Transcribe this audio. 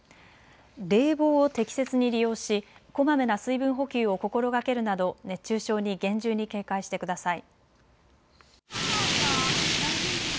冷房を適切に利用しこまめな水分補給を心がけるなど熱中症に厳重に警戒してください。